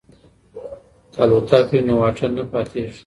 که الوتکه وي نو واټن نه پاتیږي.